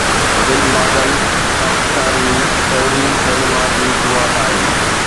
film بادل پاڪستان جي شعوري سئنيما جي شروعات آهي